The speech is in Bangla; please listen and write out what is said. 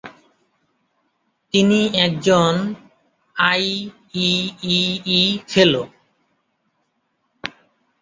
তিনি একজন আইইইই ফেলো।